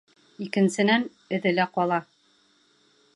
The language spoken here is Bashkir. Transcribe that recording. Икенсенән, эҙе лә ҡала.